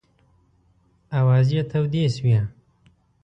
آوازې تودې شوې.